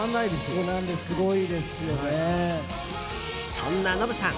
そんなノブさん